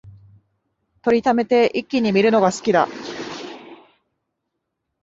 録りためて一気に観るのが好きだ